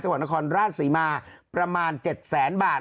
จังหวัดนครราชศรีมาประมาณ๗แสนบาท